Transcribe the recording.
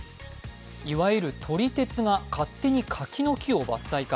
いわゆる撮り鉄が勝手に柿の木を伐採か。